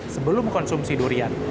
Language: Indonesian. sebelum mengonsumsi durian